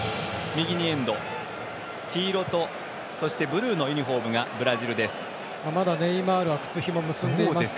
右にエンド、黄色とそしてブルーのユニフォームがブラジルです。